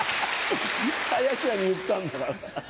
林家に言ったんだから。